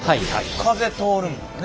風通るもんね。